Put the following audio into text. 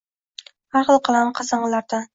Har xil qalang‘i-qasang‘ilardan.